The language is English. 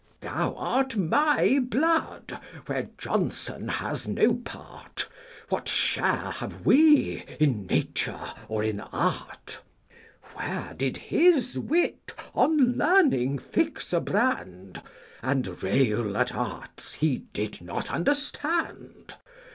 Thou art my blood, where Jonson has no part : What share have we in nature, or in art ? Where did his wit on learning fix a brand, And rail at arts he did not understand